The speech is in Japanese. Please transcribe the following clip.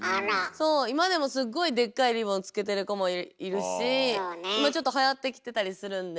今でもすっごいでっかいリボンつけてる子もいるし今ちょっとはやってきてたりするんで。